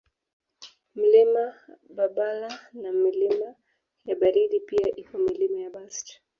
Mlima Babala na Milima ya Baridi pia ipo Milima ya Bast